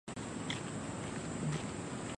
后来幽闭在甲府兴因寺。